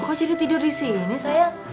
kok jadi tidur disini sayang